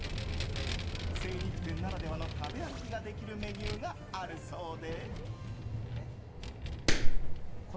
精肉店ならではの食べ歩きができるメニューがあるそうで。